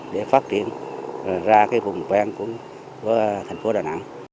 để phát triển ra cái vùng quen của thành phố đà nẵng